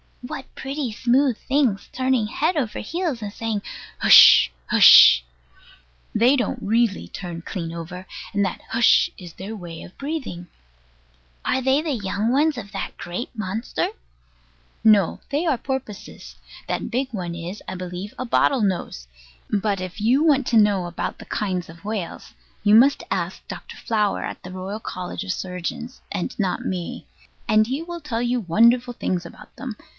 What pretty smooth things, turning head over heels, and saying, "Hush, Hush!" They don't really turn clean over; and that "Hush" is their way of breathing. Are they the young ones of that great monster? No; they are porpoises. That big one is, I believe, a bottle nose. But if you want to know about the kinds of whales, you must ask Dr. Flower at the Royal College of Surgeons, and not me: and he will tell you wonderful things about them.